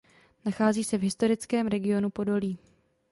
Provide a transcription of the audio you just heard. Nachází se v historickém regionu Podolí.